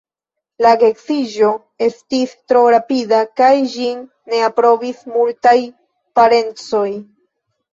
La geedziĝo estis tro rapida kaj ĝin ne aprobis multaj parencoj.